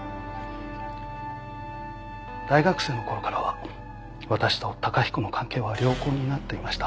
大学生の頃からは私と崇彦の関係は良好になっていました。